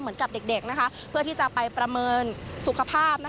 เหมือนกับเด็กเพื่อที่จะไปประเมินสุขภาพ